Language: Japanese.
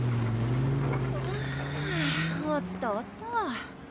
はぁ終わった終わった。